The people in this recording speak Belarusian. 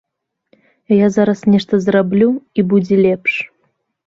Я зараз нешта зраблю, і будзе лепш.